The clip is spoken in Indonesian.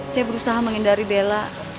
saya berusaha menghindari bella